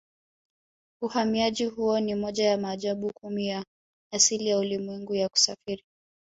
Uhamiaji huo ni moja ya maajabu kumi ya asili ya ulimwengu ya kusafiri